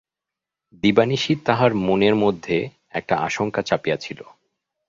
দবিানিশি তাহার মনের মধ্যে একটা আশঙ্কা চাপিয়াছিল।